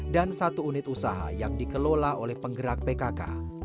dan satu unit usaha yang dikelola oleh penggerak pkk